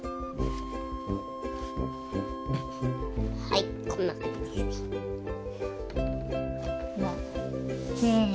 はいこんな感じです